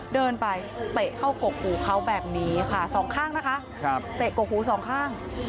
เดินไปเตะเข้ากกหูเขาแบบนี้ค่ะสองข้างนะคะเตะกกหูสองข้าง